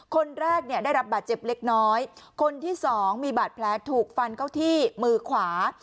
คนแรกเนี่ยได้รับบาดเจ็บเล็กน้อยคนที่สองมีบาดแผลถูกฟันเข้าที่มือขวา